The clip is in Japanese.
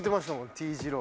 Ｔ字路。